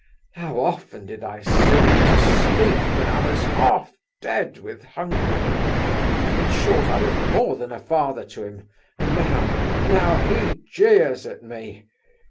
How often did I sing him to sleep when I was half dead with hunger! In short, I was more than a father to him, and now—now he jeers at me!